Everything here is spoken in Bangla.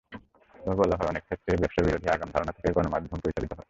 তবে বলা হয়, অনেক ক্ষেত্রেই ব্যবসাবিরোধী আগাম ধারণা থেকেই গণমাধ্যম পরিচালিত হয়।